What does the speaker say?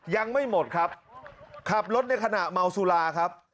ยังไม่หมดครับขับรถในขณะเมาสุราครับ